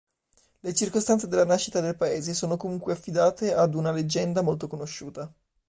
Le circostanze della nascita del paese sono comunque affidate ad una leggenda molto conosciuta.